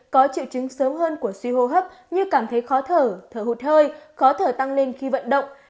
có triệu chứng sớm hơn của suy hô hấp như cảm thấy khó thở thở hụt hơi khó thở tăng lên khi vận động